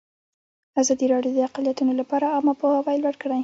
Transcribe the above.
ازادي راډیو د اقلیتونه لپاره عامه پوهاوي لوړ کړی.